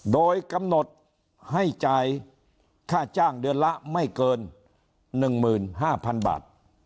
โดยกำหนดให้จ่ายค่าจ้างเดือนละไม่เกิน๑๕๐๐๐บาท